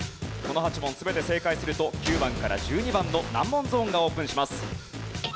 この８問全て正解すると９番から１２番の難問ゾーンがオープンします。